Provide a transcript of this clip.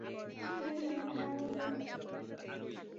এই, আমি দাঁড়া হয়েছি।